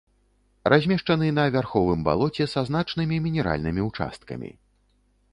Размешчаны на вярховым балоце са значнымі мінеральнымі ўчасткамі.